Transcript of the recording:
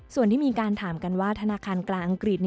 ส่วนที่มีการถามกันว่าธนาคารกลางอังกฤษ